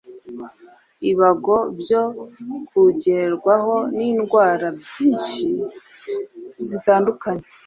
ibago byo kugerwaho n’ indwara nyinshi zitandukanye.